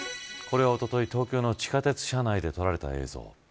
これはおととい、東京の地下鉄車内で撮られた映像。